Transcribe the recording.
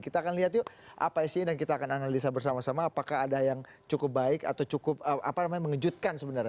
kita akan lihat yuk apa isinya dan kita akan analisa bersama sama apakah ada yang cukup baik atau cukup mengejutkan sebenarnya